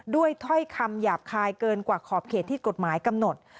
ถ้อยคำหยาบคายเกินกว่าขอบเขตที่กฎหมายกำหนด